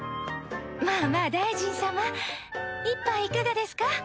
まぁまぁ大臣様１杯いかがですか？